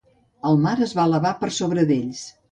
El mar es va elevar per sobre d'ells.